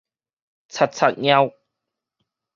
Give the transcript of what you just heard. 賊賊蟯